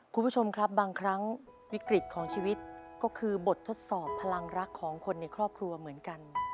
คุณผู้ชมครับบางครั้งวิกฤตของชีวิตก็คือบททดสอบพลังรักของคนในครอบครัวเหมือนกัน